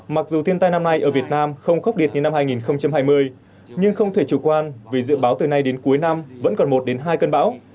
mặc dù thiên tai năm nay ở việt nam không khốc liệt như năm hai nghìn hai mươi nhưng không thể chủ quan vì dự báo từ nay đến cuối năm vẫn còn một đến hai cơn bão